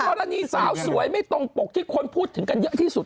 กรณีสาวสวยไม่ตรงปกที่คนพูดถึงกันเยอะที่สุด